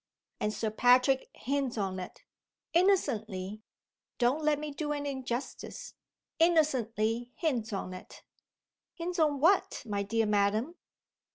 And Sir Patrick hints on it! Innocently don't let me do an injustice innocently hints on it!" "Hints on what, my dear Madam?"